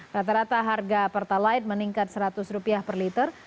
rata rata harga pertalite meningkat seratus rupiah per liter